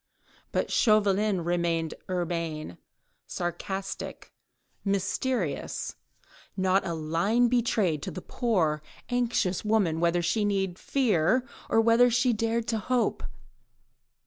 But Chauvelin remained urbane, sarcastic, mysterious; not a line betrayed to the poor, anxious woman whether she need fear or whether she dared to hope.